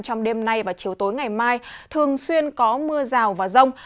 trong đêm nay và chiều tối ngày mai thường xuyên có mưa rào và rông